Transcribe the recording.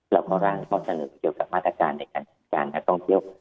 เราก็ราวกองชนึกเกี่ยวกับมาตรการในการที่เกิดต้องเที่ยวกับ